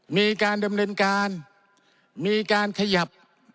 มีการดำเนินการมีการขยับ